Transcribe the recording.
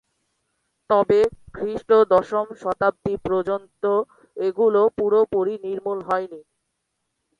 তবে, খ্রিস্টীয় দশম শতাব্দী পর্যন্ত এগুলি পুরোপুরি নির্মূল হয়নি।